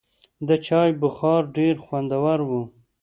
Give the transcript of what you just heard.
د چای بخار ډېر خوندور و.